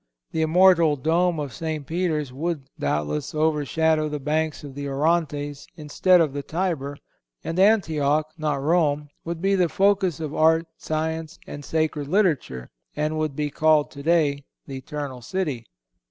The immortal Dome of St. Peter's would, doubtless, overshadow the banks of the Orontes instead of the Tiber; and Antioch, not Rome, would be the focus of art, science, and sacred literature, and would be called today "The Eternal City."